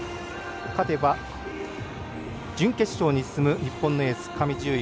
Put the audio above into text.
勝てば準決勝に進む日本のエース、上地結衣。